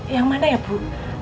yang mana ya bu